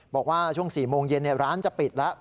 บอกว่าช่วงสี่โมงเย็นเนี่ยร้านจะปิดแล้ว